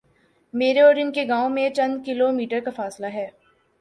میرے اور ان کے گاؤں میں چند کلو میٹرکا فاصلہ ہے۔